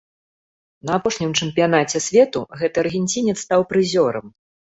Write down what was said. На апошнім чэмпіянаце свету гэты аргенцінец стаў прызёрам.